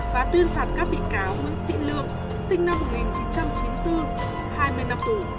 và tuyên phạt các bị cáo nguyễn sĩ lương sinh năm một nghìn chín trăm chín mươi bốn hai mươi năm tù